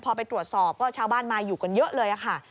พอไปตรวจสอบก็ชาวบ้านมาอยู่กันเยอะเลยค่ะ